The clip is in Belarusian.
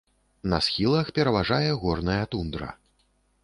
На схілах пераважае горная тундра.